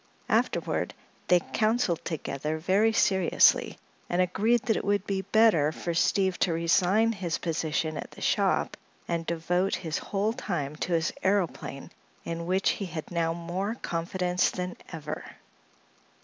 Afterward they counseled together very seriously and agreed that it would be better for Steve to resign his position at the shop and devote his whole time to his aëroplane, in which he had now more confidence than ever.